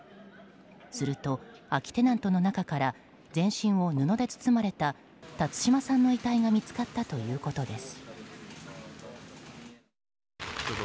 すると、空きテナントの中から全身を布で包まれた辰島さんの遺体が見つかったということです。